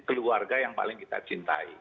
keluarga yang paling kita cintai